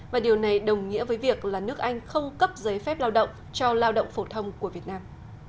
và điều này đồng nghĩa với việc là nước anh không cấp giấy phép lao động cho lao động phổ thông của việt nam